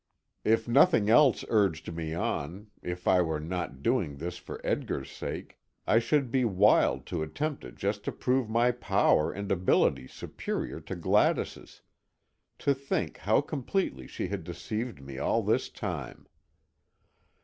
If nothing else urged me on if I were not doing this for Edgar's sake I should be wild to attempt it just to prove my power and ability superior to Gladys's. To think how completely she has deceived me all this time!